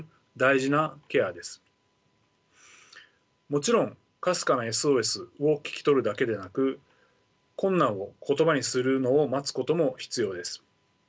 もちろんかすかなＳＯＳを聞き取るだけでなく困難を言葉にするのを待つことも必要です。